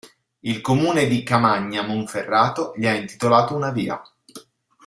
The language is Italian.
Il comune di Camagna Monferrato gli ha intitolato una via.